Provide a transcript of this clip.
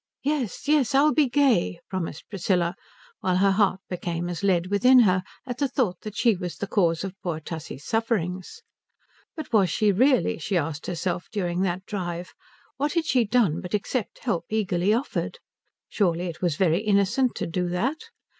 "Yes, yes I'll be gay," promised Priscilla, while her heart became as lead within her at the thought that she was the cause of poor Tussie's sufferings. But was she really, she asked herself during the drive? What had she done but accept help eagerly offered? Surely it was very innocent to do that?